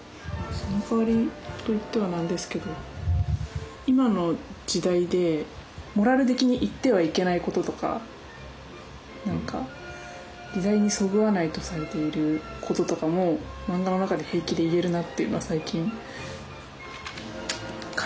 そのかわりと言ってはなんですけど今の時代でモラル的に言ってはいけないこととか何か時代にそぐわないとされていることとかも漫画の中で平気で言えるなっていうのは最近描いてて気が付きましたね。